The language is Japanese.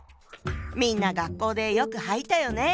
みんな学校でよく履いたよね。